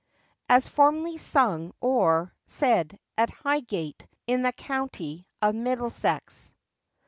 As formerly sung or said at Highgate, in the county of Middlesex.